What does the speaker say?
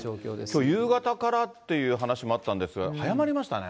きょう夕方からっていう話もあったんですが、早まりましたね。